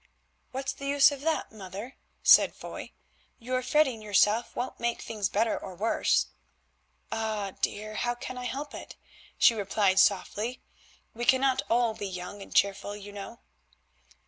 "What's the use of that, mother?" said Foy. "Your fretting yourself won't make things better or worse." "Ah! dear, how can I help it?" she replied softly; "we cannot all be young and cheerful, you know."